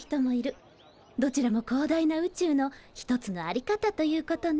どちらも広大な宇宙の一つの在り方ということね。